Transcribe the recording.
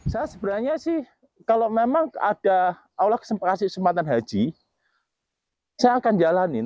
saya sebenarnya sih kalau memang ada allah kasih kesempatan haji saya akan jalanin